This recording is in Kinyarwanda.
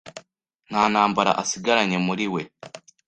nta ntambara asigaranye muri we.